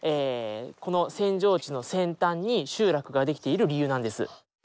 この扇状地の扇端に集落ができている理由なんです。